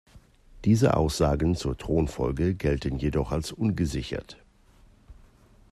Diese Aussagen zur Thronfolge gelten jedoch als ungesichert.